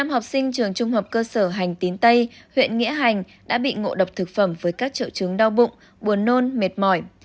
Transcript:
một mươi học sinh trường trung học cơ sở hành tín tây huyện nghĩa hành đã bị ngộ độc thực phẩm với các triệu chứng đau bụng buồn nôn mệt mỏi